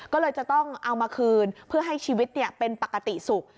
ก็เลยจะต้องเอามาคืนเพื่อให้ชีวิตเป็นปกติสุข